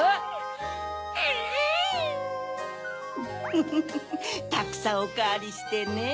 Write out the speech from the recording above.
フフフフたくさんおかわりしてね。